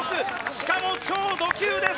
しかも超ド級です！